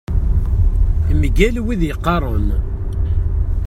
Mgal wid yeqqaren.